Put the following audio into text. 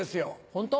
ホント？